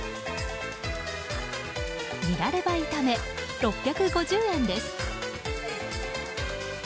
ニラレバ炒め、６５０円です。